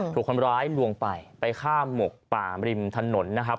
ถูกคนร้ายลวงไปไปฆ่าหมกป่ามริมถนนนะครับ